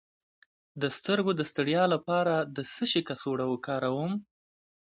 د سترګو د ستړیا لپاره د څه شي کڅوړه وکاروم؟